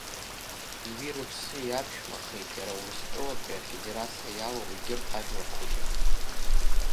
Уи рыԥсы иаԥшәмахеит иара Урыстәылатәи афедерациа иалоу егьырҭ ажәларқәагьы.